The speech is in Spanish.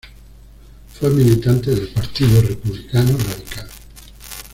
Fue militante del Partido Republicano Radical.